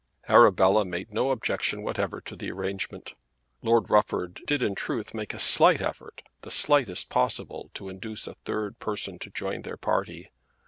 Arabella made no objection whatever to the arrangement. Lord Rufford did in truth make a slight effort, the slightest possible, to induce a third person to join their party.